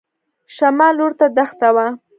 شمال لور ته دښته وه.